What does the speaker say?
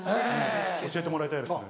教えてもらいたいです。